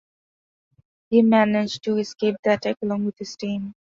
He manage to escape the attack along with his team.